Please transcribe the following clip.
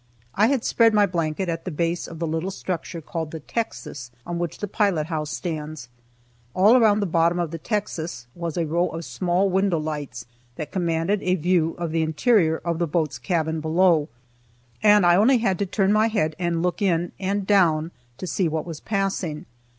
I had spread my blanket at the base of the little structure called the "Texas," on which the pilot house stands. All around the bottom of the "Texas" was a row of small window lights that commanded a view of the interior of the boat's cabin below, and I only had to turn my head and look in and down, to see what was passing.